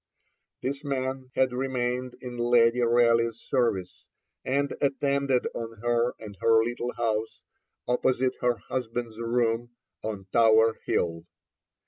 This man had remained in Lady Raleigh's service, and attended on her in her little house, opposite her husband's rooms, on Tower Hill.